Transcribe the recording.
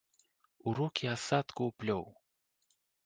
У рукі асадку ўплёў.